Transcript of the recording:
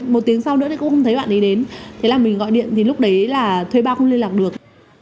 một tiếng sau nữa thì cô không thấy bạn ấy đến thế là mình gọi điện thì lúc đấy là thuê bao không liên lạc được